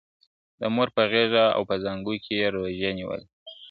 د مور په غېږ او په زانګو کي یې روژې نیولې `